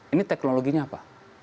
ini teknologinya apa